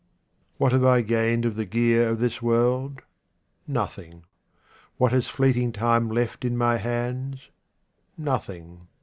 What have I gained of the gear of this world ? Nothing. What has fleeting time left in my hands ? Nothing.